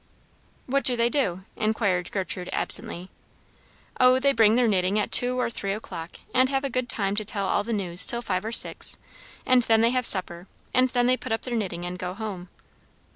"What do they do?" inquired Gertrude absently. "O, they bring their knitting at two or three o'clock, and have a good time to tell all the news till five or six; and then they have supper, and then they put up their knitting and go home."